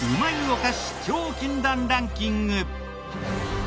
お菓子超禁断ランキング。